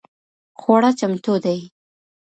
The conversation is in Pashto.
خواړه چمتو دي؟